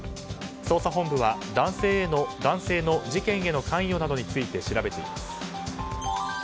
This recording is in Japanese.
捜査本部は男性の事件への関与などについて調べています。